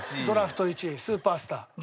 ドラフト１位スーパースター。